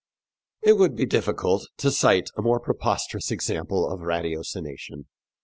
It would be difficult to cite a more preposterous example of ratiocination.